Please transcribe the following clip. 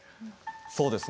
そうですね。